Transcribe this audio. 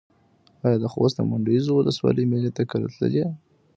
ایا د خوست د منډوزیو ولسوالۍ مېلې ته کله تللی یې؟